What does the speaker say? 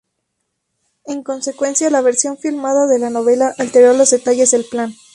En consecuencia, la versión filmada de la novela alteró los detalles del plan.